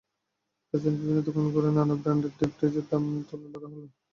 রাজধানীর বিভিন্ন দোকান ঘুরে নানা ব্র্যান্ডের ডিপ ফ্রিজের দাম তুলে ধরা হলো।